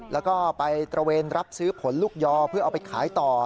แล้วก็ไปตระเวนรับซื้อผลลูกยอเพื่อเอาไปขายต่อ